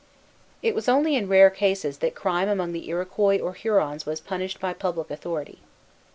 It was only in rare cases that crime among the Iroquois or Hurons was punished by public authority.